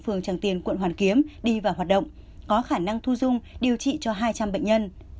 phường tràng tiền quận hoàn kiếm đi vào hoạt động có khả năng thu dung điều trị cho hai trăm linh bệnh nhân